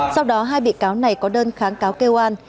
sau đó hai bị cáo này có đơn kháng cáo kêu an